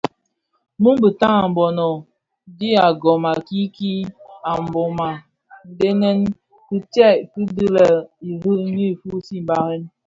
Muu bitaň a mbono dhi agon I kiiki a Mbona ndhenèn kitsè dhi bè lè Iring ñyi fusii barèn.